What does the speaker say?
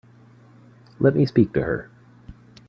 Let me speak to her.